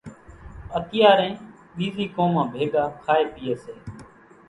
اتيارين ٻيزِي قومان ڀيڳان کائيَ پيئيَ سي۔